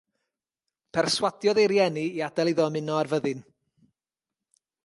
Perswadiodd ei rieni i adael iddo ymuno â'r fyddin.